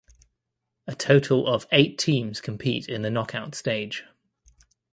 A total of eight teams compete in the knockout stage.